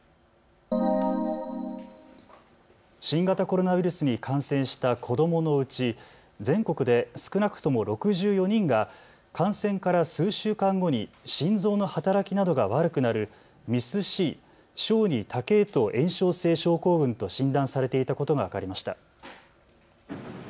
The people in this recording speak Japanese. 新型コロナウイルスに感染した子どものうち全国で少なくとも６４人が感染から数週間後に心臓の働きなどが悪くなるＭＩＳ−Ｃ・小児多系統炎症性症候群と診断されていたことが分かりました。